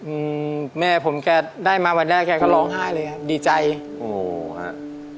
อืมแม่ผมแกได้มาวันแรกแกก็ร้องไห้เลยครับดีใจโอ้ฮะ